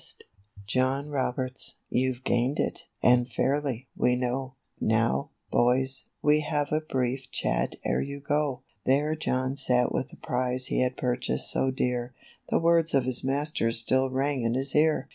36 THE BOY AND HIS PRIZE. "John Roberts, you've gained it, and fairly, we know. Row, boys, we will have a brief chat ere you go." There John sat with the prize he had purchased so dear; The words of his master still rang in his ear.